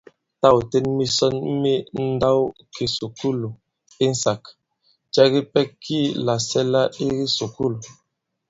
Tâ ɔ̀ ten misɔn mi nndawkìsùkulù insāk, cɛ kipɛ ki làsɛ̀la i kisùkulù ?